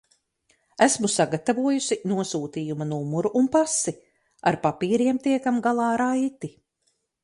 Esmu sagatavojusi nosūtījuma numuru un pasi, ar papīriem tiekam galā raiti.